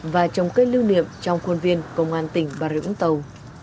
và chống kết lưu niệm trong khuôn viên công an tỉnh bà rưỡng tàu